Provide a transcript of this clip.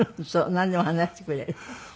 なんでも話してくれる。